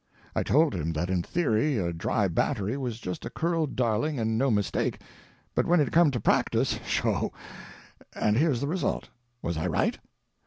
I told him that in theory a dry battery was just a curled darling and no mistake, but when it come to practice, sho!—and here's the result. Was I right?